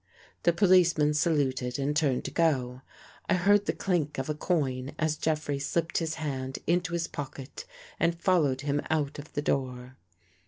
The policeman saluted and turned to go. I heard the clink of a coin as Jeffrey slipped his hand into his pocket and followed him out of the door.